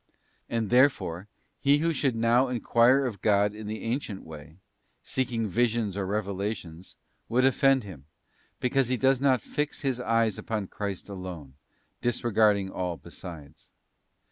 And, therefore, he who should now enquire of God in the ancient way, seeking visions or revelations, would offend Him; because he does not fix his eyes upon Christ alone, disregarding all besides.